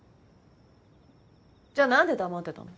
じゃあなんで黙ってたの？